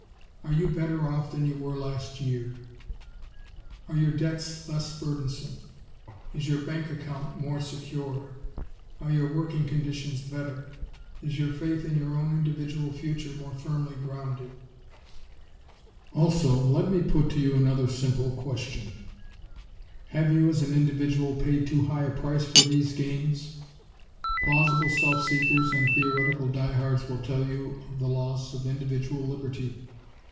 Are you better off than you were last year? Are your debts less burdensome? Is your bank account more secure? Are your working conditions better? Is your faith in your own individual future more firmly grounded? Also, let me put to you another simple question: Have you as an individual paid too high a price for these gains? Plausible self seekers and theoretical die hards will tell you of the loss of individual liberty.